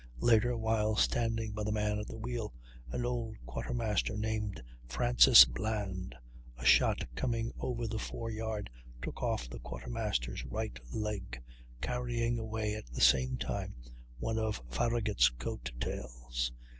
Later, while standing by the man at the wheel, an old quartermaster named Francis Bland, a shot coming over the fore yard took off the quartermaster's right leg, carrying away at the same time one of Farragut's coat tails.